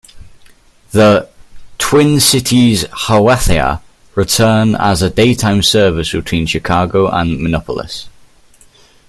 The "Twin Cities Hiawatha" returned as a daytime service between Chicago and Minneapolis.